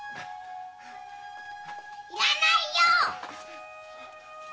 いらないよ！